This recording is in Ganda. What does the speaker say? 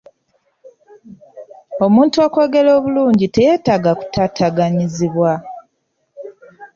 Omuntu okwogera obululngi, teyeetaaga kutaataaganyizibwa.